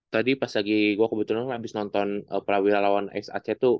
tadi pas lagi gua kebetulan abis nonton prawira lawan src tuh